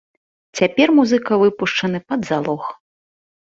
Цяпер музыка выпушчаны пад залог.